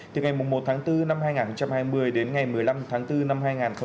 từ ngày một tháng bốn năm hai nghìn hai mươi đến ngày một mươi năm tháng bốn năm hai nghìn hai mươi